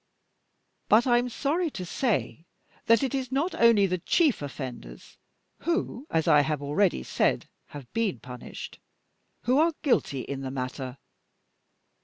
But I am sorry to say that it is not only the chief offenders, who, as I have already said, have been punished, who are guilty in the matter.